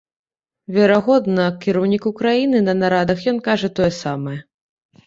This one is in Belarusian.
Верагодна, кіраўніку краіны на нарадах ён кажа тое самае.